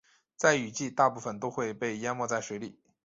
在雨季大部分都会被淹没在水里。